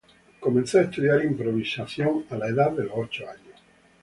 Comenzó a estudiar improvisación a la edad de ocho años.